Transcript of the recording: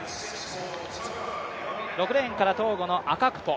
６レーンから、トーゴのアカクポ。